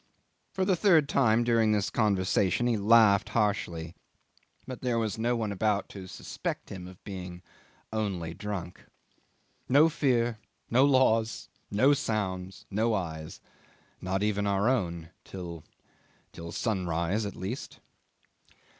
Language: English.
For the third time during this conversation he laughed harshly, but there was no one about to suspect him of being only drunk. "No fear, no law, no sounds, no eyes not even our own, till till sunrise at least."